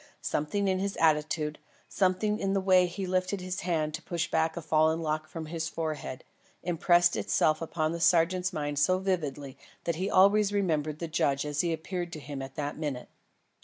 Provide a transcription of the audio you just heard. Something in his attitude, something in the way he lifted his hand to push back a fallen lock from his forehead, impressed itself upon the sergeant's mind so vividly that he always remembered the judge as he appeared to him at that minute.